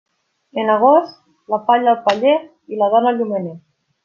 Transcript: En agost, la palla en el paller i la dona al llumener.